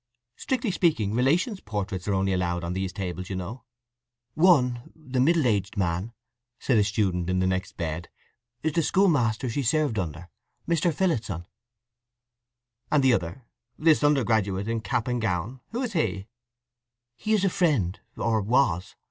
"Strictly speaking, relations' portraits only are allowed on these tables, you know." "One—the middle aged man," said a student in the next bed—"is the schoolmaster she served under—Mr. Phillotson." "And the other—this undergraduate in cap and gown—who is he?" "He is a friend, or was.